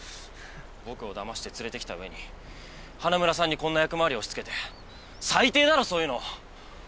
僕をだまして連れてきた上に花村さんにこんな役回りを押しつけて最低だろそういうの。